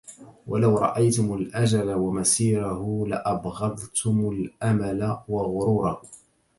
وَلَوْ رَأَيْتُمْ الْأَجَلَ وَمَسِيرَهُ ، لَأَبْغَضْتُمْ الْأَمَلَ وَغُرُورَهُ